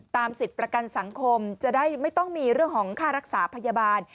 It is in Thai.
สิทธิ์ประกันสังคมจะได้ไม่ต้องมีเรื่องของค่ารักษาพยาบาล